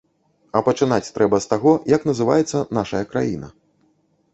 А пачынаць трэба з таго, як называецца нашая краіна.